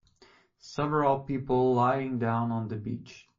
Several people laying down on the beach.